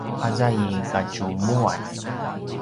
aza i kadjumuan